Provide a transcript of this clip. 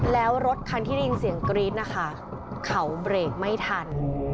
แล้วรถคันที่ได้ยินเสียงกรี๊ดนะคะเขาเบรกไม่ทัน